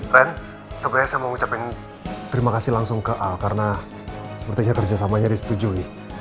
ren sepertinya saya mau ucapin terima kasih langsung ke a karena sepertinya kerjasamanya disetujui